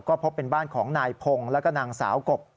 ก็พบเป็นบ้านของนายพงศ์แล้วก็นางสาวกบ